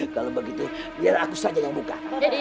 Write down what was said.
kalau begitu biar aku saja yang buka